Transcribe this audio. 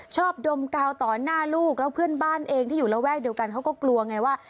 ดมกาวต่อหน้าลูกแล้วเพื่อนบ้านเองที่อยู่ระแวกเดียวกันเขาก็กลัวไงว่า